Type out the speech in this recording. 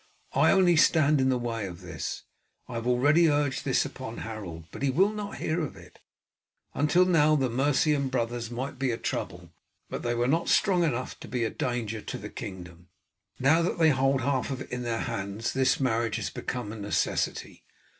I only stand in the way of this. I have already urged this upon Harold, but he will not hear of it. Until now the Mercian brothers might be a trouble, but they were not strong enough to be a danger to the kingdom. Now that they hold half of it in their hands this marriage has become a necessity.